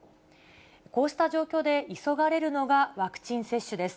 こうした状況で急がれるのがワクチン接種です。